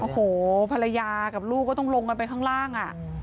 โอ้โหภรรยากับลูกก็ต้องลงกันไปข้างล่างอ่ะ